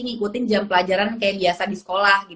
ngikutin jam pelajaran kayak biasa di sekolah